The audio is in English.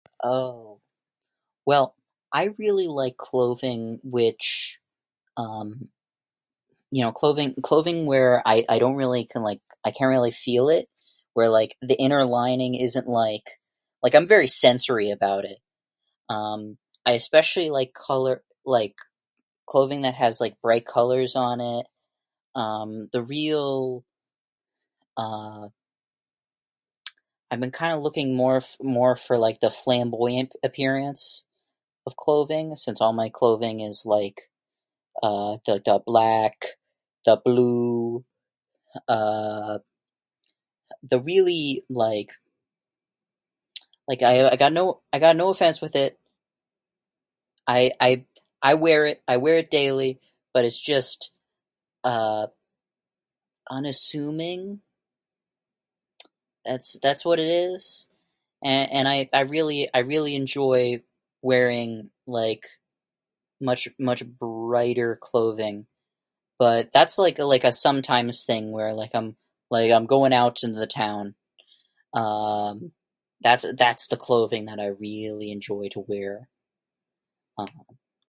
Uh...well...I really like clothing which, um, you know, clothing, clothing where I I don't really can like, I can't really feel it, where like, the inner lining isn't like...Like I'm very sensory about it. Um...I especially like colour, like, clothing that has like, bright colours on it, um...The real, uh...I've been kind of looking more for like the flamboyant appearance of clothing, since all my clothing is like, uh, the black, the blue, uh...The really, like, like I got no offence with it, I, I, I wear it daily, but it's just...uh...unassuming? That's, that's what it is. And I really enjoy wearing, like, much much brighter clothing. But, that's like a sometimes thing where like I'm, like I'm going out in the town. Um...that's, that's the clothing that I really enjoy to wear. Um.